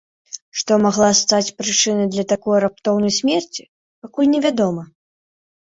Што магла стаць прычынай для такой раптоўнай смерці, пакуль невядома.